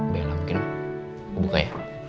bella mungkin buka ya